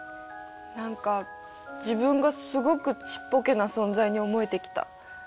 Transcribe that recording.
何か自分がすごくちっぽけな存在に思えてきた。